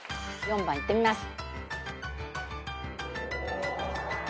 ４番いってみます。